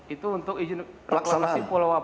itu untuk izin reklamasi pulau apa